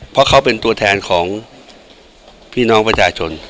เพราะเขาเป็นตัวแทนของพี่น้องประชาชน